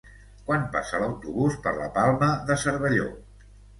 Quan passa l'autobús per la Palma de Cervelló?